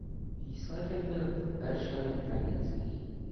Výsledek byl pro Peršany tragický.